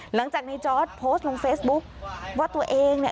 หลังจากในจอร์ดโพสต์ลงเฟซบุ๊คว่าตัวเองเนี่ย